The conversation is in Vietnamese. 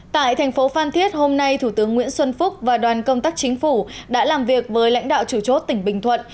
tại thành phố phan thiết hôm nay thủ tướng nguyễn xuân phúc và đoàn công tác chính phủ đã làm việc với lãnh đạo chủ chốt tỉnh bình thuận